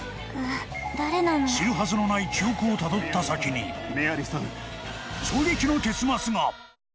知るはずのない記憶をたどった先に、衝撃の結末が。